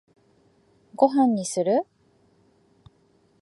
ご飯にする？